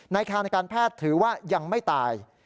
อาคารการแพทย์ถือว่ายังไม่ตาย